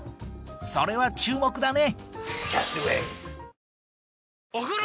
それは注目だね！